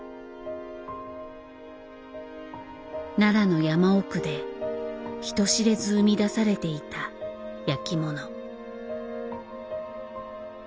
奈良の山奥で人知れず生み出されていた焼きもの。